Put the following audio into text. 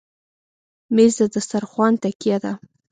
مېز د دسترخوان تکیه ده.